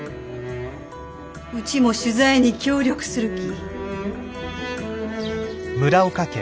うちも取材に協力するき。